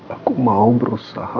aku mau berusaha